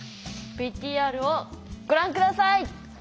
ＶＴＲをご覧下さい！